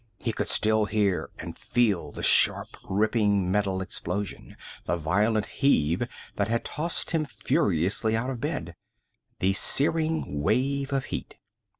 He could still hear and feel the sharp, ripping metal explosion, the violent heave that had tossed him furiously out of bed, the searing wave of heat.